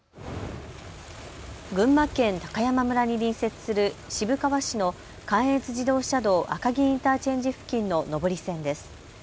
群馬県高山村に隣接する渋川市の関越自動車道赤城インターチェンジ付近の上り線です。